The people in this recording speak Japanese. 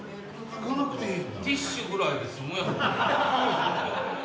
拭かなくていい。